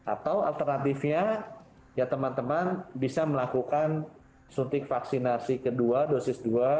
atau alternatifnya ya teman teman bisa melakukan suntik vaksinasi kedua dosis dua